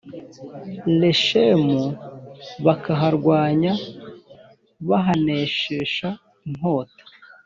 leshemu bakaharwanya bahaneshesha inkota